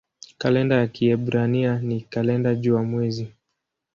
Kalenda ya Kiebrania ni kalenda jua-mwezi.